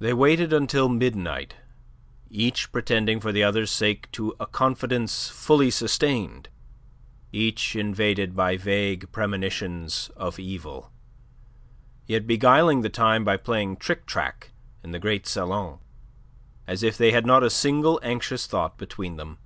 They waited until midnight, each pretending for the other's sake to a confidence fully sustained, each invaded by vague premonitions of evil, yet beguiling the time by playing tric trac in the great salon, as if they had not a single anxious thought between them.